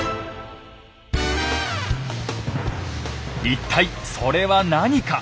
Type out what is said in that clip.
一体それは何か。